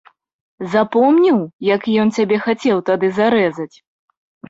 Запомніў, як ён цябе хацеў тады зарэзаць?